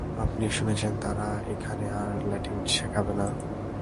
আপনি শুনেছেন তারা এখানে আর ল্যাটিন শেখাবে না?